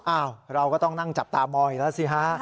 อ้าวเราก็ต้องนั่งจับตามองอีกแล้วสิฮะ